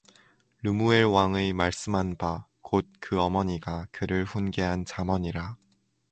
르무엘왕의 말씀한바 곧 그 어머니가 그를 훈계한 잠언이라